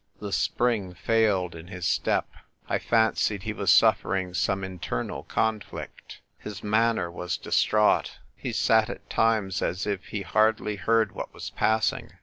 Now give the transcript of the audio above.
The spring failed in his step. I fancied he was suffering some in ternal conflict. His manner was distraught; he sat at times as if he hardly heard what was passing.